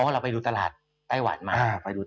เราไปดูตลาดไต้หวันมา